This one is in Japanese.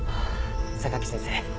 榊先生。